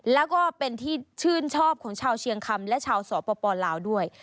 แล้วก็เป็นที่ชื่นชอบของชาวเชียงคำและชาวสปลาวด้วย